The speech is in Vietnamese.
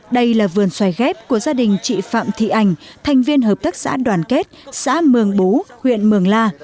đây là vườn xoài ghép của gia đình chị phạm thị ảnh thành viên hợp tác xã đoàn kết xã mường bú huyện mường la